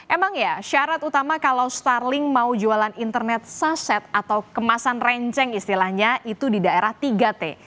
emang ya syarat utama kalau starling mau jualan internet saset atau kemasan renceng istilahnya itu di daerah tiga t